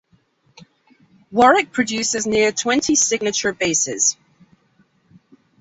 Warwick produces near twenty signature basses.